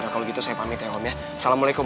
kalau gitu saya pamit ya om ya assalamualaikum